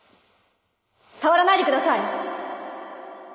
触らないでください！